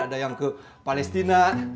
ada yang ke palestina